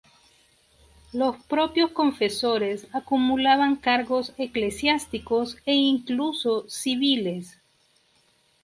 Los propios confesores acumulaban cargos eclesiásticos e incluso civiles.